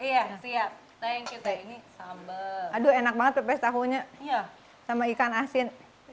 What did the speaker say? ya udah punya sama ikan asin